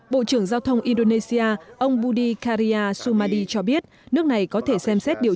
bộ trưởng giao thông indonesia ông budi karya sumadi cho biết nước này có thể xem xét điều